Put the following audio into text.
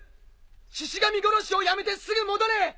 シシ神殺しをやめてすぐ戻れ！